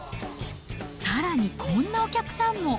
さらに、こんなお客さんも。